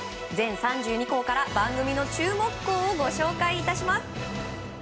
全３２校から番組の注目校をご紹介します。